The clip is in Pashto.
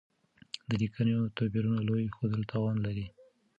د ليکنيو توپيرونو لوی ښودل تاوان لري.